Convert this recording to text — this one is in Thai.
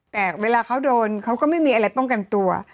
แต่เวลาเขาโดนเขาก็ไม่มีอะไรป้องกันตัว